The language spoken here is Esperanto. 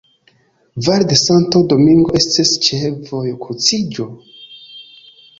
Val de Santo Domingo estis ĉe vojkruciĝo.